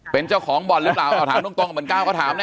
เป็นเจ้าของบ่อนหรือเปล่าเอาถามตรงเหมือนก้าวก็ถามแ